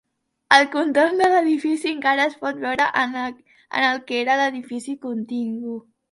El contorn de l'edifici encara es pot veure en el que era l'edifici contigu.